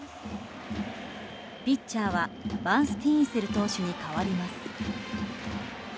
ピッチャーはバンスティーンセル投手に代わります。